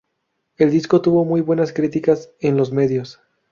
El disco tuvo muy buenas críticas en los medios.